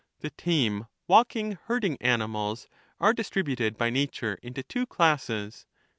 The tame walking herding animals are distributed by The tame nature into two classes.